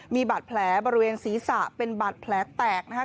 มีบาดแผลบริเวณศีรษะเป็นบาดแผลแตกนะคะ